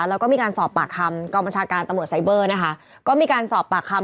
แล้วก็มีการสอบปากคำกองบัญชาการตำรวจไซเบอร์นะคะก็มีการสอบปากคำ